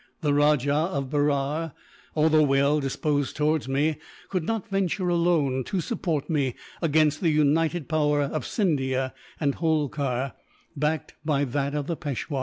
The Rajah of Berar, although well disposed towards me, could not venture, alone, to support me against the united power of Scindia and Holkar, backed by that of the Peishwa.